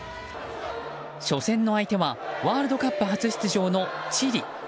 初戦の相手はワールドカップ初出場のチリ。